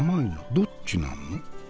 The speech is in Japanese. どっちなの？